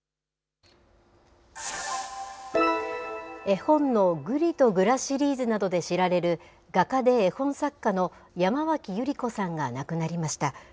絵本のぐりとぐらシリーズなどで知られる、画家で絵本作家の山脇百合子さんが亡くなりました。